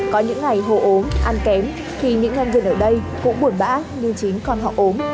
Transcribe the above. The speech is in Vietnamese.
có những ngày hổ ốm ăn kém thì những ngân dân ở đây cũng buồn bã như chính con họ ốm